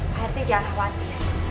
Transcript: pak rt jangan khawatir